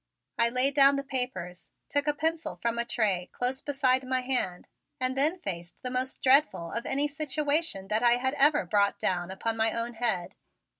I laid down the papers, took a pencil from a tray close beside my hand and then faced the most dreadful of any situation that I had ever brought down upon my own head.